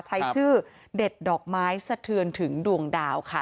ใช้ชื่อเด็ดดอกไม้สะเทือนถึงดวงดาวค่ะ